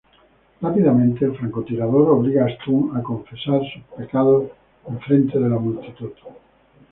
Rápidamente, el francotirador obliga a Stu a confesar sus pecados enfrente de la multitud.